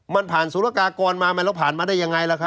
มันผ่านศูนยากากรมามันแล้วผ่านมาได้ยังไงล่ะครับ